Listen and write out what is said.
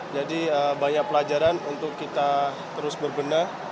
jadi banyak pelajaran untuk kita terus berbenah